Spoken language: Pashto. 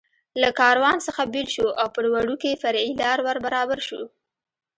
له کاروان څخه بېل شو او پر وړوکې فرعي لار ور برابر شو.